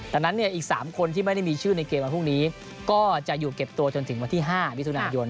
ดังนั้นอีก๓คนที่ไม่ได้มีชื่อในเกมวันพรุ่งนี้ก็จะอยู่เก็บตัวจนถึงวันที่๕มิถุนายน